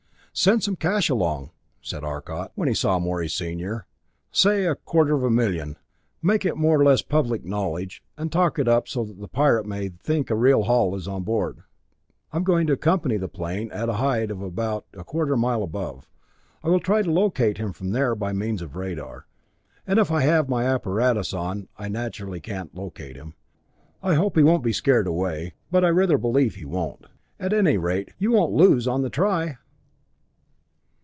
"Send some cash along," said Arcot, when he saw Morey senior, "say a quarter of a million. Make it more or less public knowledge, and talk it up so that the Pirate may think there's a real haul on board. I am going to accompany the plane at a height of about a quarter of a mile above. I will try to locate him from there by means of radar, and if I have my apparatus on, I naturally can't locate him. I hope he won't be scared away but I rather believe he won't. At any rate, you won't lose on the try!"